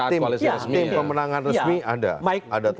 tim pemenangan resmi ada